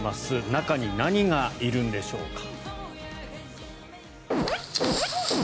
中に何がいるんでしょうか。